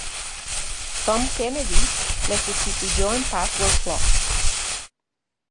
Tom Kennedy le sustituyó en "Password Plus".